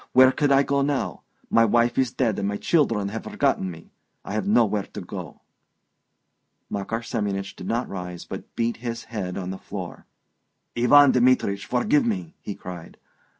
Where could I go to now?... My wife is dead, and my children have forgotten me. I have nowhere to go..." Makar Semyonich did not rise, but beat his head on the floor. "Ivan Dmitrich, forgive me!" he cried.